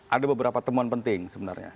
ada beberapa temuan penting sebenarnya